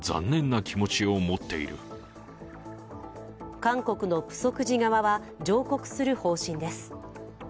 韓国のプソク寺側は上告する方針です。